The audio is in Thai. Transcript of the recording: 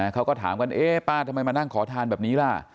เขาก็ถามกันเอ๊ะป้าทำไมมานั่งขอทานแบบนี้ล่ะ